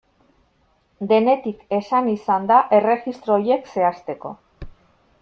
Denetik esan izan da erregistro horiek zehazteko.